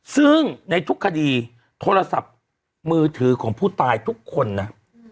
ซึ่งในทุกคดีโทรศัพท์มือถือของผู้ตายทุกคนนะ